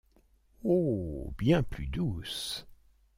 Oh ! bien plus douce…